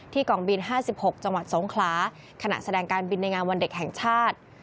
กองบิน๕๖จังหวัดสงขลาขณะแสดงการบินในงานวันเด็กแห่งชาติ